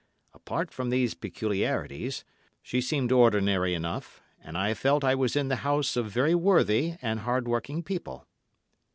Apart from these peculiarities, she seemed ordinary enough, and I felt I was in the house of very worthy and hard working people.